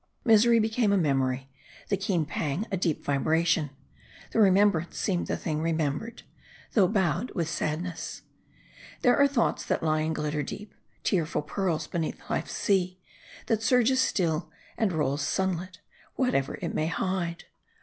Misery became 230 M A R D I. a memory. The keen pang a deep vibration. The remembrance seemed the thing remembered ; though bowed with sadness. There are thoughts that lie and glitter deep : tearful pearls beneath life's sea, that surges still, and rolls sunlit, whatever it may hide. .